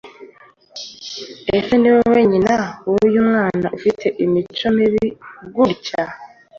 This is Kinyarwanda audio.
ese ni wowe nyina w’uyu mwana ufite imico mibi gutya?